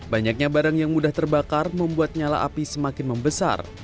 banyaknya barang yang mudah terbakar membuat nyala api semakin membesar